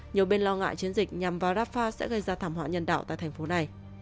nhiều bên lo ngại chiến dịch nhằm vào rafah sẽ gây ra thảm họa nhân đạo tại thành phố này